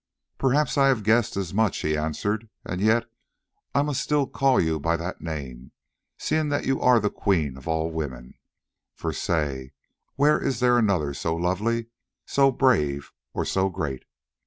"Perhaps I have guessed as much," he answered. "And yet I must still call you by that name, seeing that you are the queen of all women, for say, where is there another so lovely, so brave, or so great?